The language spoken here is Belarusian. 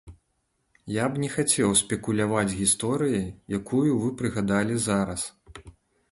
Я б не хацеў спекуляваць гісторыяй, якую вы прыгадалі зараз.